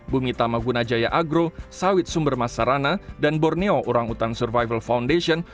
bumi tama gunajaya agro sawit sumber masarana dan borneo orang utan survival foundation